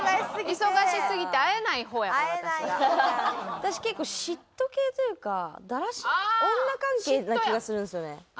私結構嫉妬系というか女関係な気がするんですよね。